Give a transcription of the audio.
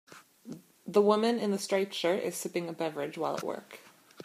The woman in the striped shirt is sipping a beverage while at work.